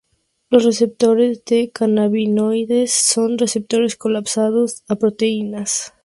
Los receptores de cannabinoides son receptores acoplados a proteínas-G localizados en la membrana pre-sináptica.